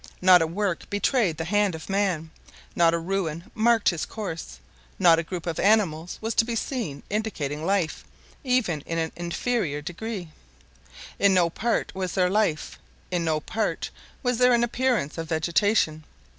Not a work betrayed the hand of man; not a ruin marked his course; not a group of animals was to be seen indicating life, even in an inferior degree. In no part was there life, in no part was there an appearance of vegetation.